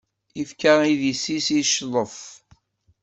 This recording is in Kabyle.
Ifka idis-is i ccḍef.